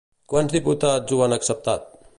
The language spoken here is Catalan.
Quants diputats ho han acceptat?